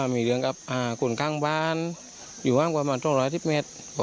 มีเรืองกับคนข้างบ้านอยู่ห้ามกว่ามาตรงร้อยทิศเมตร